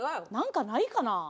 何かないかな？